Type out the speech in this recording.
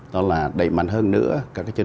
đó là đẩy mạnh hơn nữa các chương trình